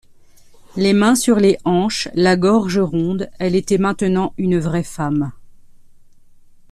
Les mains sur les hanches, la gorge ronde, elle était maintenant une vraie femme.